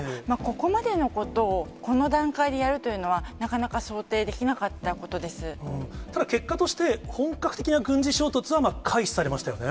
ここまでのことをこの段階でやるというのは、なかなか想定できなかったただ結果として、本格的な軍事衝突は回避されましたよね。